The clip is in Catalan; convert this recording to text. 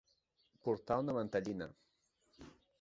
Portar una mantellina.